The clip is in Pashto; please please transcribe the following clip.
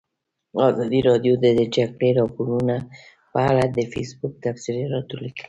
ازادي راډیو د د جګړې راپورونه په اړه د فیسبوک تبصرې راټولې کړي.